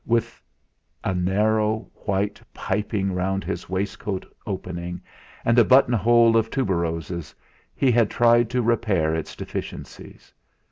With a narrow white piping round his waistcoat opening, and a buttonhole of tuberoses, he had tried to repair its deficiencies.